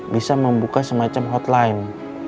bisa membuka semacam hotline